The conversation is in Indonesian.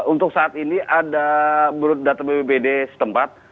untuk saat ini ada menurut data bpbd setempat